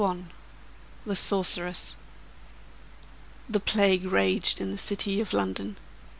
THE SORCERESS The plague raged in the city of London.